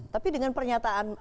tapi dengan pernyataan